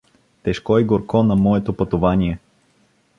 Тежко и горко на моето пътувание!